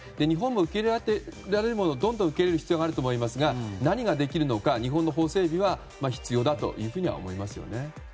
日本も受け入れられるものをどんどん受け入れていく必要があると思いますが何ができるのか日本の法整備は必要だとは思います。